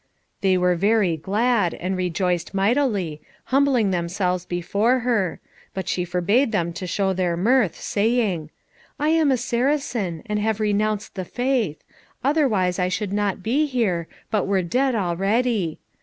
They were very glad, and rejoiced mightily, humbling themselves before her, but she forbade them to show their mirth, saying, "I am a Saracen, and have renounced the faith; otherwise I should not be here, but were dead already.